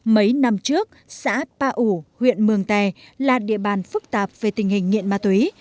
mấy năm trước xã pa ủ huyện mường tè là địa bàn phức tạp về tình hình nghiện ma túy